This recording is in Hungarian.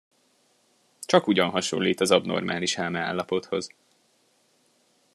Csakugyan hasonlít az abnormális elmeállapothoz.